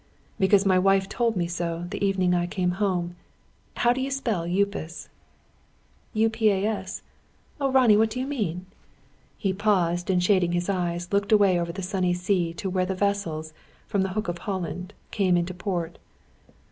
"Because my wife told me so, the evening I came home. How do you spell 'Upas'?" "U, P, A, S. Oh, Ronnie, what do you mean?" He paused, and shading his eyes, looked away over the sunny sea to where the vessels, from the Hook of Holland, come into port.